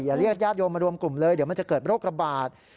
เรียกญาติโยมมารวมกลุ่มเลยเดี๋ยวมันจะเกิดโรคระบาด